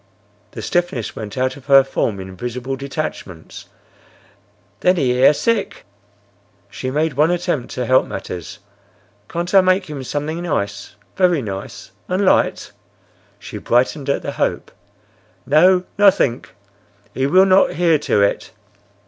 The stiffness went out of her form in visible detachments. "Then he air sick!" She made one attempt to help matters. "Can't I make him something nice? Very nice?—And light?" She brightened at the hope. "No, nothink. He will not hear to it."